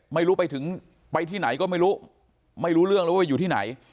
ไม่รู้ไปถึงไปที่ไหนก็ไม่รู้ไม่รู้เรื่องเลยว่าอยู่ที่ไหน